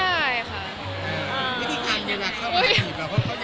ไม่ได้ความเวลาเข้ามาจีบเรา